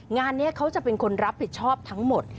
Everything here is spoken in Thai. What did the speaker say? งานนี้เขาจะเป็นคนรับผิดชอบทั้งหมด